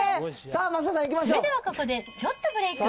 それではここで、ちょっとブレーク。